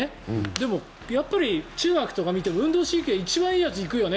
でも、中学とか見て運動神経が一番いいやつが行くよね